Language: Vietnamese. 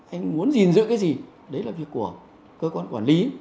anh muốn gìn giữ cái gì đấy là việc của cơ quan quản lý